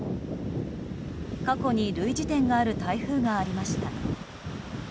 過去に類似点がある台風がありました。